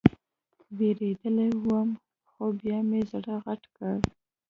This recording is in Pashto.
وېرېدلى وم خو بيا مې زړه غټ کړ.